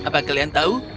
apa kalian tahu